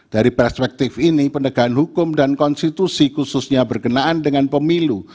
dari perspektif ini penegakan hukum dan konstitusi khususnya berkenaan dengan pemilu